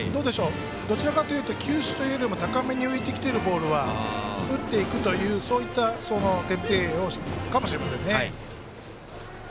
どちらかというと球種というより高めに浮いてきているボールは打っていくというそういった徹底かもしれませんね。